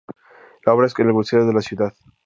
La otra es el conservatorio de la ciudad.